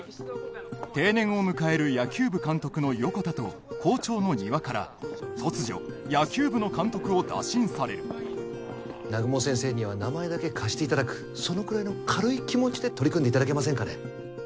定年を迎える野球部監督の横田と校長の丹羽から突如野球部の監督を打診される南雲先生には名前だけ貸していただくそのくらいの軽い気持ちで取り組んでいただけませんかね